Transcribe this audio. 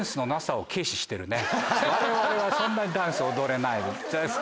我々はそんなにダンス踊れない。